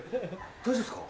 大丈夫ですか？